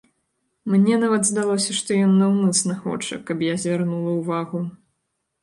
Мне нават здалося, што ён наўмысна хоча, каб я звярнула ўвагу.